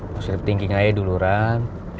masih thinking aja dulu ran